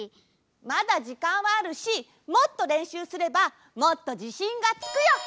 まだじかんはあるしもっとれんしゅうすればもっとじしんがつくよ！